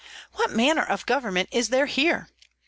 What manner of government is there here?